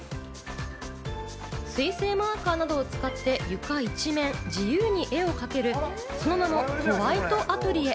水性マーカーなどを使って床一面に自由に絵を描ける、その名もホワイトあとりえ。